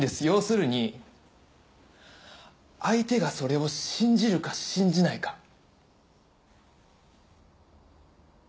要するに相手がそれを信じるか信じないか。